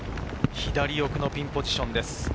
左奥のピンポジションです。